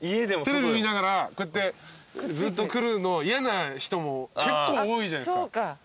テレビ見ながらこうやってずっと来るの嫌な人も結構多いじゃないですか。